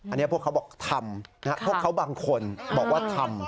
อันนี้พวกเขาบอกทำพวกเขาบางคนบอกว่าทำ